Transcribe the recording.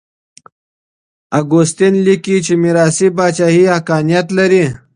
اګوستين ليکي چي ميراثي پاچاهي حقانيت لري.